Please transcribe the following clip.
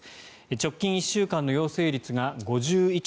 直近１週間の陽性率が５１．４％。